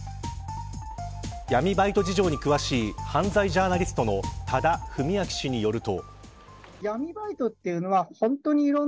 闇バイト事情に詳しい犯罪ジャーナリストの多田文明氏によると。